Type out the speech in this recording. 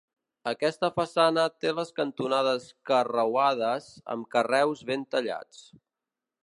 Aquesta façana té les cantonades carreuades, amb carreus ben tallats.